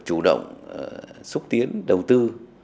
chủ động xúc tiến đầu tư